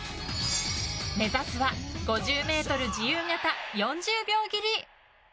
目指すは、５０ｍ自由形４０秒切り。